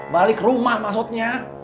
balik rumah maksudnya